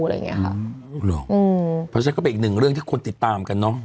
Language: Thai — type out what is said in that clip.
เพราะฉะนั้นก็เป็นอีกหนึ่งเรื่องที่คนติดตามกันเนอะ